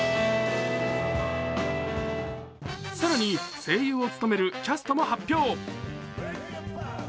更に声優を務めるキャストも発表。